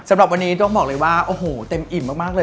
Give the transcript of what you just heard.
สำหรับวันนี้ต้องบอกเลยว่าโอ้โหเต็มอิ่มมากเลย